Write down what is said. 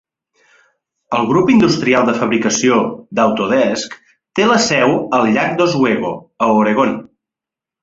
El grup industrial de fabricació d'Autodesk té la seu al llac Oswego, a Oregon.